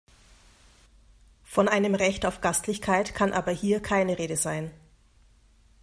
Von einem Recht auf Gastlichkeit kann aber hier keine Rede sein.